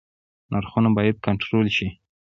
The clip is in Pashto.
نرخونه باید کنټرول شي